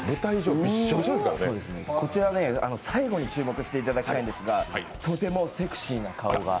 こちら、最後に注目していただきたいんですがとてもセクシーな顔が。